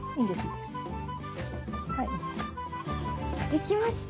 できました！